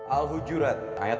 al hujurat ayat dua belas